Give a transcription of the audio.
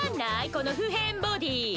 この不変ボディー。